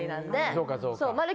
そうかそうか。